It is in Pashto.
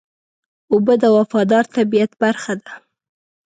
اوبه د وفادار طبیعت برخه ده.